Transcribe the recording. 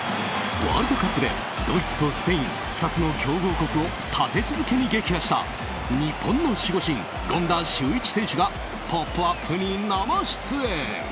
ワールドカップでドイツとスペイン２つの強豪国を立て続けに撃破した日本の守護神・権田修一選手が「ポップＵＰ！」に生出演。